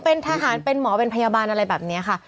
เป็นทหารเป็นหมอเป็นพยาบาลอะไรแบบนี้ค่ะ